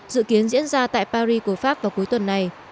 dự kiến diễn ra tại paris của pháp vào cuối tuần này